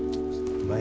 うまい。